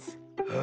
あ。